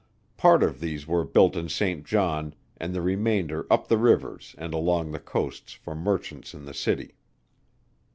Part of these were built in St. John, and the remainder up the rivers and along the coasts for merchants in the city.